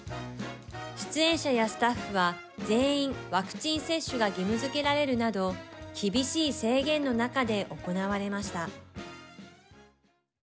出演者やスタッフは全員ワクチン接種が義務づけられるなど厳しい制限の中で行われました。